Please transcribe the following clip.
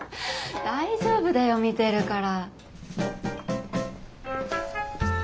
大丈夫だよ見てるから。